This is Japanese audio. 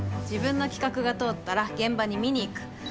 自分の企画が通ったら現場に見に行く。